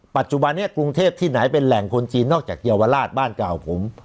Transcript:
ปัจจุบันนี้กรุงเทพที่ไหนเป็นแหล่งคนจีนนอกจากเยาวราชบ้านเก่าผม